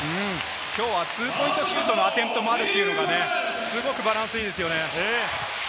きょうはツーポイントシュートのアテンプトもあるというよりはね、すごくバランスいいですね。